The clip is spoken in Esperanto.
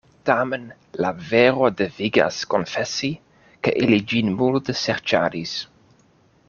Tamen la vero devigas konfesi, ke ili ĝin multe serĉadis.